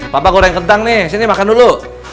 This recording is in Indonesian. papa goreng kentang nih sini makan dulu